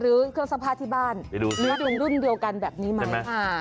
เอาผ้าที่บ้านเนื้อตรงรุ่นเดียวกันแบบนี้ไหม